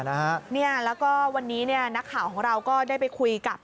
แล้วก็วันนี้เนี่ยนักข่าวของเราก็ได้ไปคุยกับ